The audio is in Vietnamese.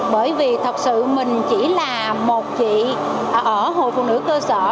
bởi vì thật sự mình chỉ là một chị ở hội phụ nữ cơ sở